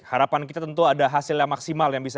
harapan kita tentu ada hasil yang maksimal yang bisa